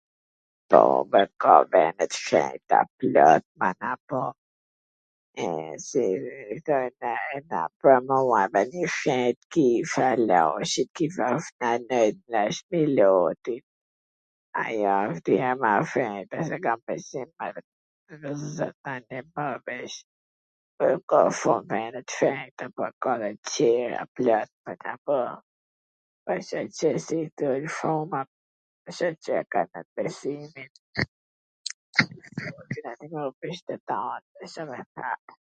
Po, bre ka vene t shenjta plot mana po e si i thojnw .... ven i shenjt kisha e LaCit, ven i shenjt wsht Miloti, ... po, ka shum vene t shenjta po dhe tjeera plot, ....